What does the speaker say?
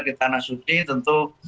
di tanah sudi tentu